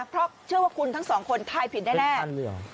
เพราะเชื่อว่าคุณทั้งสองคนทายผิดแน่